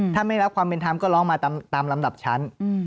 ถ้าไม่รับความเป็นธรรมก็ร้องมาตามลำดับชั้น